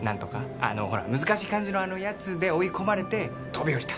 あのほら難しい漢字のやつで追い込まれて飛び降りた。